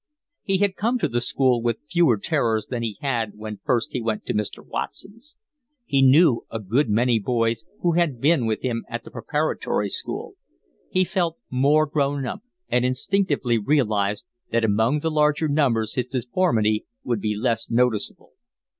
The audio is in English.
He had come to the school with fewer terrors than he had when first he went to Mr. Watson's. He knew a good many boys who had been with him at the preparatory school. He felt more grownup, and instinctively realised that among the larger numbers his deformity would be less noticeable.